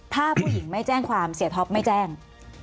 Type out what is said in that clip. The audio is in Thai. ถ้าผู้หญิงไม่แจ้งความเสียท็อปไม่แจ้ง